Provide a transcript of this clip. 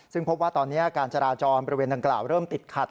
ซึ่งพบว่าตอนนี้การจราจรบริเวณดังกล่าวเริ่มติดขัด